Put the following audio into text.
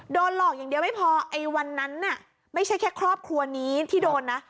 โดนหลอกอย่างเดียวไม่พอไอ้วันนั้นน่ะไม่ใช่แค่ครอบครัวนี้ที่โดนนะ